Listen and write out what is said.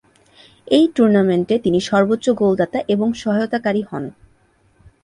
এই টুর্নামেন্টে তিনি সর্বোচ্চ গোলদাতা এবং সহায়তাকারী হন।